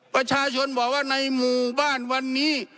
ประชาชนบอกว่าในหมู่บ้านวันนี้